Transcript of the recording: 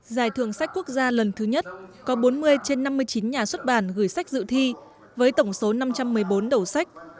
giải thưởng sách quốc gia lần thứ nhất có bốn mươi trên năm mươi chín nhà xuất bản gửi sách dự thi với tổng số năm trăm một mươi bốn đầu sách